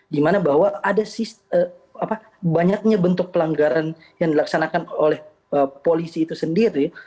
dimana bahwa ada banyaknya bentuk pelanggaran yang dilaksanakan oleh polisi itu sendiri